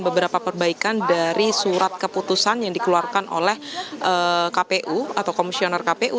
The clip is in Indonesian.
beberapa perbaikan dari surat keputusan yang dikeluarkan oleh kpu atau komisioner kpu